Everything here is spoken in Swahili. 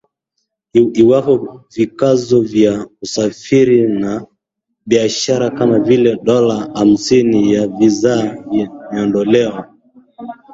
iwapo vikwazo vya kusafiri na biashara kama vile dola hamsini ya visa vimeondolewa